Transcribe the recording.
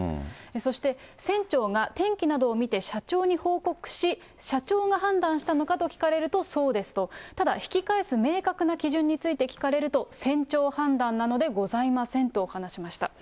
そして船長が天気などを見て社長に報告し、社長が判断したのか？と聞かれると、そうですと、ただ引き返す明確な基準について聞かれると、船長判断なので、ございませんと話しました。